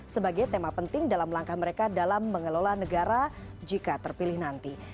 sebagai tema penting dalam langkah mereka dalam mengelola negara jika terpilih nanti